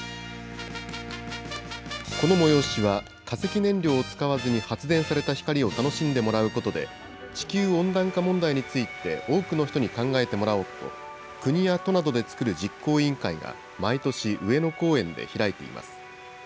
この催しは、化石燃料を使わずに発電された光を楽しんでもらうことで、地球温暖化問題について、多くの人に考えてもらおうと、国や都などで作る実行委員会が毎年、上野公園で開いています。